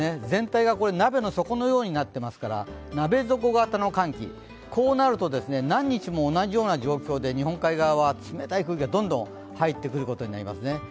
全体がこれ鍋の底のようになっていますから鍋底型の寒気、こうなると何日も同じような状況で日本海側は冷たい空気がどんどん入ってくることになりますね。